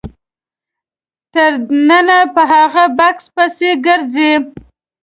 تر ننه په هغه بکس پسې ګرځي.